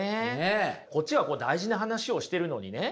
こっちは大事な話をしているのにね